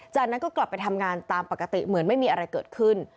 จากนั้นก็กลับไปทำงานตามปกติเหมือนไม่มีอะไรเกิดขึ้น